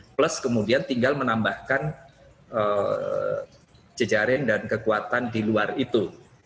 plus kemudian tinggal menambahkan jejaring dan kekuatan di luar itu